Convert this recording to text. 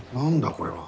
これは。